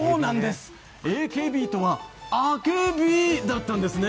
ＡＫＢとはあけびだったんですね。